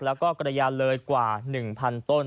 และกระยะเลยกว่า๑๐๐๐ต้น